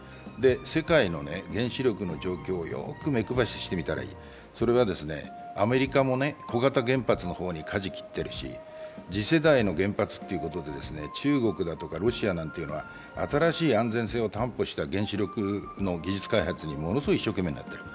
世界の原子力の状況をよく見てみれば、アメリカも小型原発の方にかじを切ってるし、次世代の原発ということで、中国だとかロシアなんていうのは新しい安全性を担保した原子力の技術開発にものすごい一生懸命になっている。